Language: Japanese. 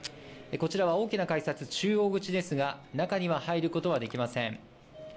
こちらは大きな改札、中央口ですが中に入ることはできません。